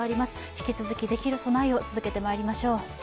引き続き、できる備えを続けてまいりましょう。